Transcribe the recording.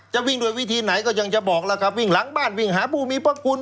จะวิ่งด้วยวิธีไหนก็ยังจะบอกแล้วครับวิ่งหลังบ้านวิ่งหาผู้มีพระคุณ